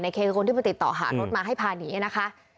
นายเคเป็นคนที่ติดต่อหารถมาให้พาหนีนะคะ